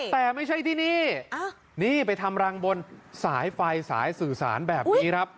แต่ไม่ใช่ที่นี่นี่ไปทำรังบนสายไฟสายสื่อสารแบบนี้ครับ